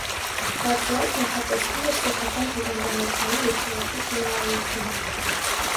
Բացի այդ, նախատեսվում էր սեփական հիվանդանոցային եկեղեցու շինարարությունը։